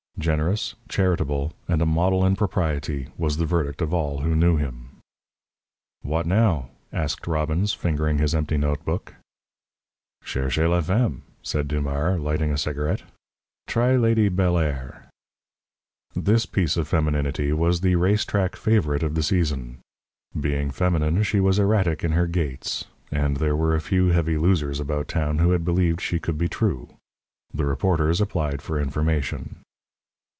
Generous, charitable, and a model in propriety, was the verdict of all who knew him. "What, now?" asked Robbins, fingering his empty notebook. "Cherchez la femme," said Dumars, lighting a cigarette. "Try Lady Bellairs." This piece of femininity was the race track favourite of the season. Being feminine, she was erratic in her gaits, and there were a few heavy losers about town who had believed she could be true. The reporters applied for information.